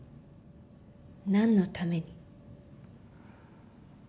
何のために？